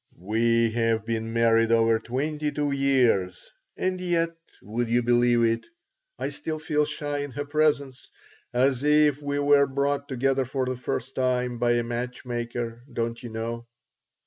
"We have been married over twenty two years, and yet would you believe it? I still feel shy in her presence, as if we were brought together for the first time, by a match maker, don't you know.